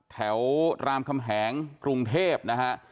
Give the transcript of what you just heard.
แถวรามคำแหงกรุงเทพฯนะคะ